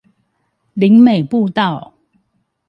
林美步道